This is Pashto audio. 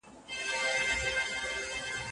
هغه له پاڼو تشه توره ونه